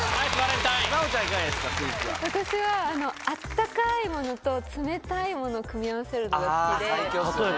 私は温かいものと冷たいものを組み合わせるのが好きで。